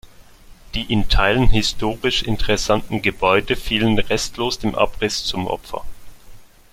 Die in Teilen historisch interessanten Gebäude fielen restlos dem Abriss zum Opfer.